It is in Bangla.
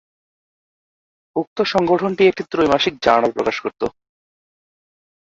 উক্ত সংগঠনটি একটি ত্রৈমাসিক জার্নাল প্রকাশ করত।